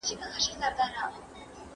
ایا دا کوټه په رښتیا ډېره سړه ده؟